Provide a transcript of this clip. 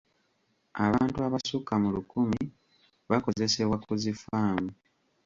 Abantu abasukka mu lukumi bakozesebwa ku zi ffaamu.